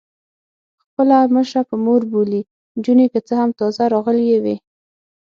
خپله مشره په مور بولي، نجونې که څه هم تازه راغلي وې.